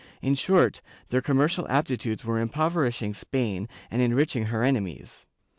^ In short, their commercial aptitudes were impoverishing Spain and enriching her enemies.